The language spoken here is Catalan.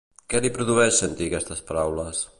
Què li produeix sentir aquestes paraules?